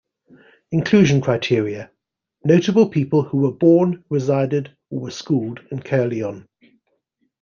Inclusion criteria: notable people who were born, resided or were schooled in Caerleon.